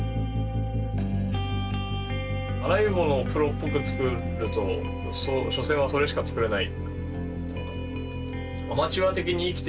あらゆるものをプロっぽく作ると所詮はそれしか作れない。